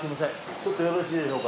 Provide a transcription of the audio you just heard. ちょっとよろしいでしょうか？